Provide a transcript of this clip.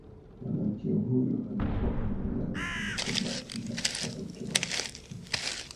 mwanamke huyo alikuwa amelala kwenye kabati na watoto wake